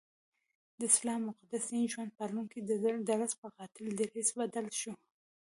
د اسلام مقدس دین ژوند پالونکی درځ پر قاتل دریځ بدل شو.